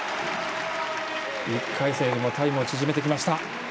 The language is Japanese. １回戦よりもタイムを縮めてきました。